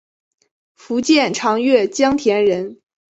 福建长乐江田人。